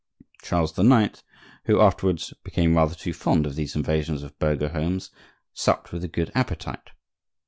Charles IX., who afterwards became rather too fond of these invasions of burgher homes, supped with a good appetite.